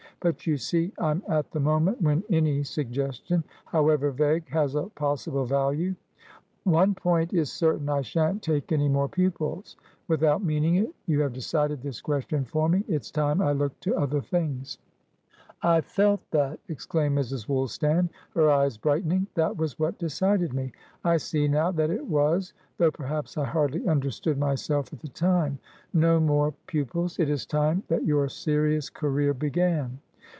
But, you see, I'm at the moment, when any suggestion, however vague, has a possible value. One point is certain; I shan't take any more pupils. Without meaning it, you have decided this question for me; it's time I looked to other things." "I felt that!" exclaimed Mrs. Woolstan, her eyes brightening. "That was what decided me; I see now that it wasthough perhaps, I hardly understood myself at the time. No more pupils! It is time that your serious career began."